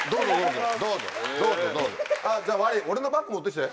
どうぞどうぞじゃあ悪い俺のバッグ持ってきて。